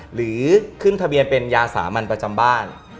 หรือขึ้นทะเบียนเป็นยาสามัญประจำบ้าน